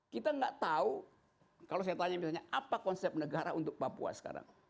kita nggak tahu kalau saya tanya misalnya apa konsep negara untuk papua sekarang